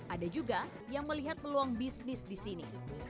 ada juga yang melihat peluang bisnis di sini